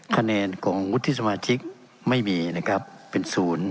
คะแนนของวุฒิสมาชิกไม่มีนะครับเป็นศูนย์